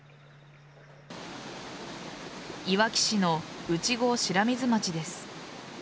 いわき市の内郷白水町です。